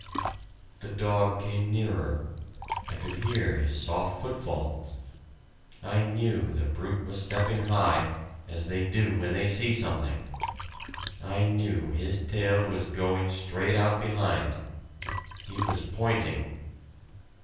The dog came nearer I could hear his soft footfalls I knew the brute was stepping high as they do when they see something. I knew his tail was going straight out behind he was pointing!